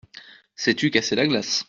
Sais-tu casser la glace ?